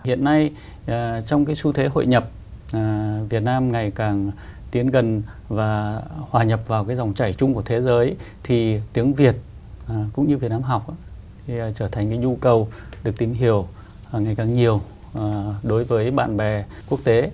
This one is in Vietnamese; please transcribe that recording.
hiện nay trong cái xu thế hội nhập việt nam ngày càng tiến gần và hòa nhập vào cái dòng chảy chung của thế giới thì tiếng việt cũng như việt nam học thì trở thành cái nhu cầu được tìm hiểu ngày càng nhiều đối với bạn bè quốc tế